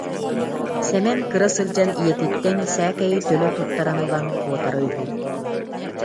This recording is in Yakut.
Сэмэн кыра сылдьан ийэтиттэн сээкэйи төлө туттаран ылан куотара үһү